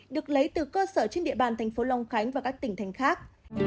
được lấy từ cơ sở trên địa bàn thành phố long khánh và các tỉnh thành khác